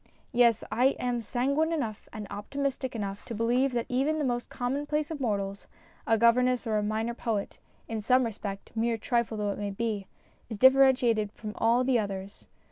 Yes, I am sanguine enough and optimistic enough to believe that even the most commonplace of mortals a governess or a minor poet in some respect, mere trifle though it may be, is differ entiated from the others.